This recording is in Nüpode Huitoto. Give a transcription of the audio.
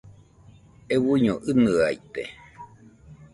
Euiño ɨnɨaite.